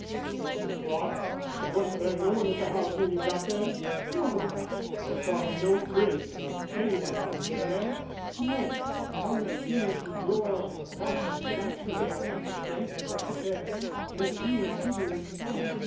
"Six o'clock? And was there no one at the house when you got there?" "No one." "You saw no trace of anyone having been there?" "No. I found the key of the door in the lock and naturally I thought that Frank had left it there that you and he were inside.